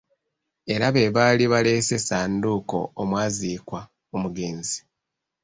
Era be baali baaleese ssanduuko omwaziikwa omugenzi.